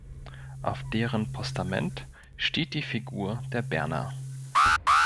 Auf deren Postament steht die Figur der Berna.